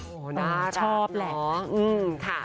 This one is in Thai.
โอ้โหน่ารักชอบเหรออืมค่ะ